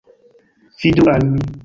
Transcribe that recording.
Fidu al mi!